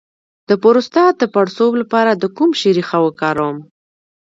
د پروستات د پړسوب لپاره د کوم شي ریښه وکاروم؟